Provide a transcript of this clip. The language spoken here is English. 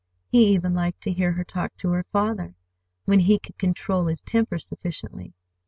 He even liked to hear her talk to her father—when he could control his temper sufficiently.